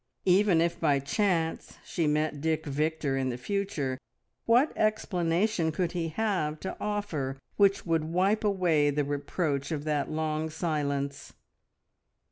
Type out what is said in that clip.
Even if by chance she met Dick Victor in the future, what explanation could he have to offer which would wipe away the reproach of that long silence?